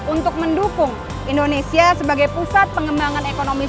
untuk mendukung indonesia sebagai pusat pengembangan ekonomi dan keuangan syariah